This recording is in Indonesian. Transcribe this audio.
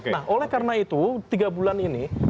nah oleh karena itu tiga bulan ini